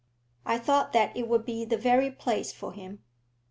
I thought that it would be the very place for him.